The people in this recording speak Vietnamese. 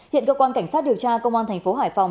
hiện cơ quan cảnh sát điều tra công an thành phố hải phòng